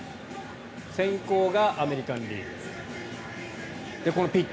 先攻がアメリカン・リーグ。